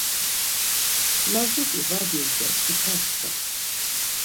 Lazut̆i va dirgen, ixaçken.